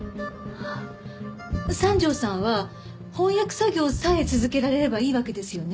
三条さんは翻訳作業さえ続けられればいいわけですよね？